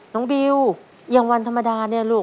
บิวอย่างวันธรรมดาเนี่ยลูก